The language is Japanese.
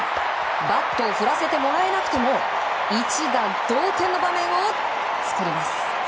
バットを振らせてもらえなくても一打同点の場面を作ります。